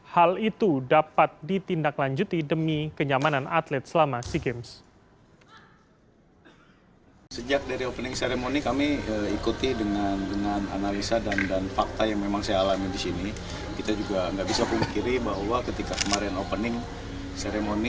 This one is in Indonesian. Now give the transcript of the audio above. hal itu dapat ditindaklanjuti demi kenyamanan atlet selama sea games